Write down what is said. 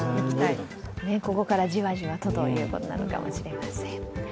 ここからじわじわということなのかもしれません。